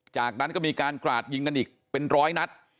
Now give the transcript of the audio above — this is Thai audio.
จากนั้นก็มีการกราดยิงกันอีกเป็นร้อยนัด